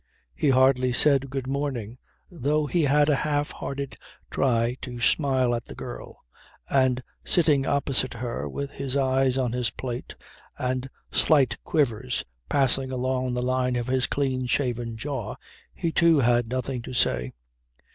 He hardly said good morning, though he had a half hearted try to smile at the girl, and sitting opposite her with his eyes on his plate and slight quivers passing along the line of his clean shaven jaw, he too had nothing to say.